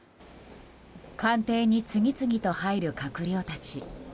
官邸に次々と入る閣僚たち。